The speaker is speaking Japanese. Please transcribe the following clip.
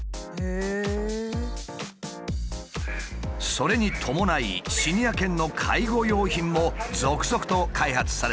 それに伴いシニア犬の介護用品も続々と開発されている。